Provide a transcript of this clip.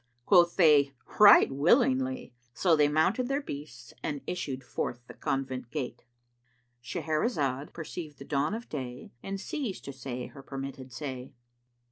Quoth they, "Right willingly!" So they mounted their beasts and issued forth the convent gate,— Shahrazad perceived the dawn of day and ceased to say her permitted say.